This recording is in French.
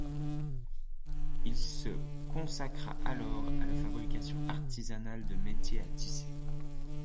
Il se consacra alors à la fabrication artisanale de métiers à tisser.